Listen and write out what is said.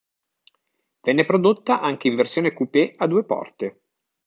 Venne prodotta anche in versione coupé a due porte.